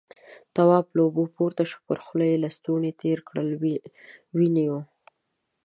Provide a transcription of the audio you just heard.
تواب له اوبو پورته شو، پر خوله يې لستوڼی تېر کړ، وينې وه.